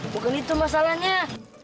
bukan itu masalahnya